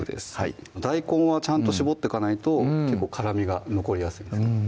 大根はちゃんと絞っとかないと辛みが残りやすいんですよ